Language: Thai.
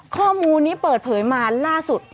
ข้อมูลนี้เปิดเผยมาล่าสุด